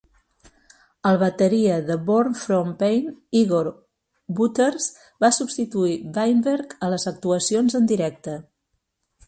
El bateria de Born From Pain, Igor Wouters, va substituir Weinberg a les actuacions en directe.